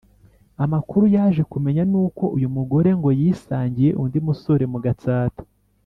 amakuru yaje kumenya ni uko uyu mugore ngo yisangiye undi musore mu gatsata